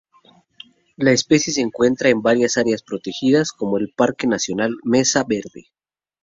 La especie se encuentra en varias áreas protegidas, como el Parque nacional Mesa Verde.